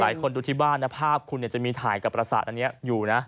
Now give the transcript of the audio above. ทุกคนดูที่บ้านนะภาพคุณจะมีถ่ายกับประสาทอันนี้อยู่นะ